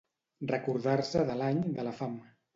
Recordar-se de l'any de la fam.